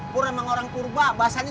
gue emang orang kurba bahasanya suka aneh